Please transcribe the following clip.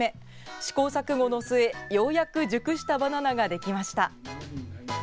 試行錯誤の末ようやく熟したバナナが出来ました。